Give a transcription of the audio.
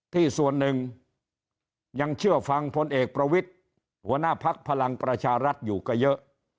ส่วนหนึ่งยังเชื่อฟังพลเอกประวิทย์หัวหน้าภักดิ์พลังประชารัฐอยู่ก็เยอะ